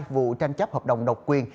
vụ tranh chấp hợp đồng độc quyền